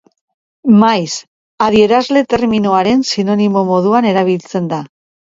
Maiz, adierazle terminoaren sinonimo moduan erabiltzen da.